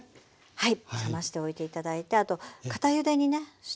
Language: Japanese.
はい。